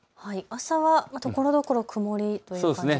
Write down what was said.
朝はところどころ曇りという感じですね。